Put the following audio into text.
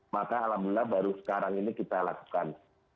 maka alhamdulillah baru sekarang ini kita lakukan